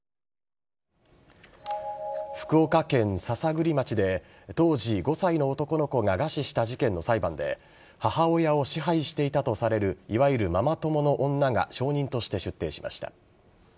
福岡県篠栗町で当時５歳の男の子が餓死した事件の裁判で母親を支配していたとされるいわゆるママ友の女が証人として出廷しました。